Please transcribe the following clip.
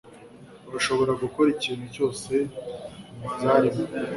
urashobora gukora ikintu cyose mubyaremwe.